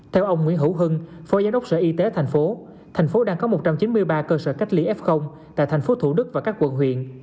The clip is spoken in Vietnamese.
theo ông nguyễn hữu hưng phó giám đốc sở y tế tp hcm tp hcm đang có một trăm chín mươi ba cơ sở cách ly f tại tp thủ đức và các quận huyện